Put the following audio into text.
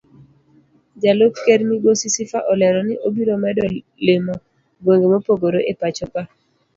Jalup ker migosi Sifa olero ni obiro medo limo gwenge mopogore epachoka.